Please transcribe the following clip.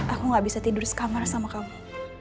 aku gak bisa tidur sekamar sama kamu